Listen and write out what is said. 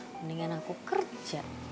mendingan aku kerja